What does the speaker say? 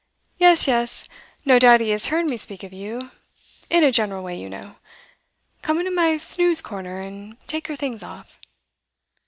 Yes, yes; no doubt he has heard me speak of you in a general way, you know. Come into my snooze corner, and take your things off.